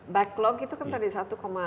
backlog itu kan tadi satu dua juta